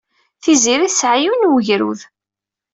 Tiziri tesɛa yiwen n wegrud.